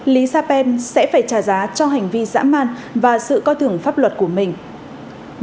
lý sa pen sẽ phải trả giá cho hành vi dã man và sự coi thường pháp luật của mình